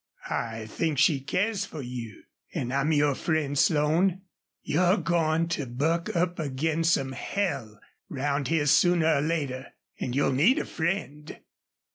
"I think she cares fer you. An' I'm your friend, Slone. You're goin' to buck up ag'in some hell round here sooner or later. An' you'll need a friend."